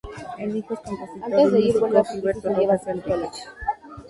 Es hijo del compositor y músico Gilberto Rojas Enríquez.